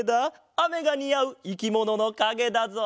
あめがにあういきもののかげだぞ。